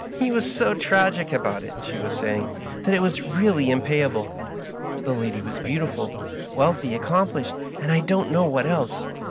He was so tragic about it," she was saying, " that it was really mvpayahle. The lady was beautiful, wealthy, accomplished, and I don't know what else.